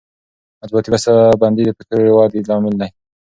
معلوماتي بسته بندي د فکري ودې لامل دی.